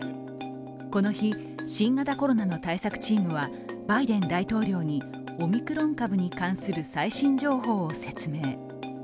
この日、新型コロナの対策チームはバイデン大統領にオミクロン株に関する最新情報を説明。